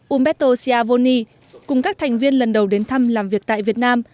umberto siavoni cùng các thành viên lần đầu đến thăm làm việc tại việt nam